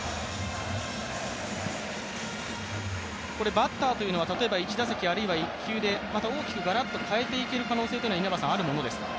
バッターというのは例えば１打席、あるいは１球でまた大きくガラッといける可能性というのはあるものですか？